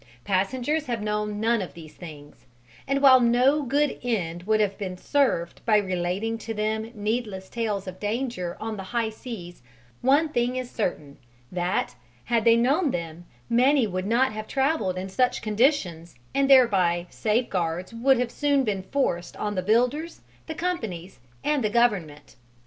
Passengers have known none of these things, and while no good end would have been served by relating to them needless tales of danger on the high seas, one thing is certain that, had they known them, many would not have travelled in such conditions and thereby safeguards would soon have been forced on the builders, the companies, and the Government.